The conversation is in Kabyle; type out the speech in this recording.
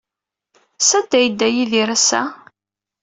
Sanda ay yedda Yidir ass-a?